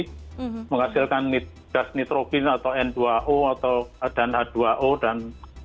jadi menghasilkan gas nitrobin atau n dua o atau dan h dua o dan